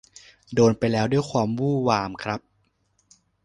โดนไปแล้วด้วยความวู่วามครับ